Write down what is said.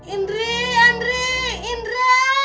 indri andri indra